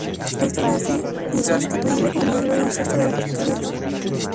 Esto la hace insustituible como modelo de ancestro de las orquídeas.